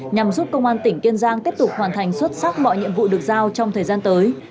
nhằm giúp công an tỉnh kiên giang tiếp tục hoàn thành xuất sắc mọi nhiệm vụ được giao trong thời gian tới